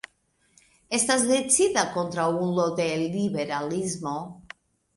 Estas decida kontraŭulo de liberalismo.